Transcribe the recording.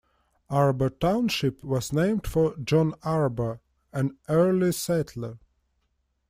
Arbo Township was named for John Arbo, an early settler.